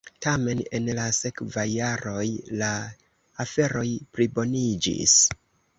Tamen en la sekvaj jaroj la aferoj pliboniĝis.